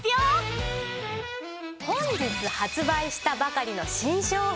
本日発売したばかりの新商品。